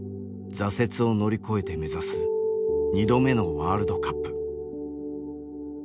挫折を乗り越えて目指す２度目のワールドカップ。